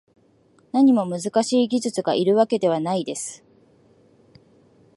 何も難しい技術がいるわけではないです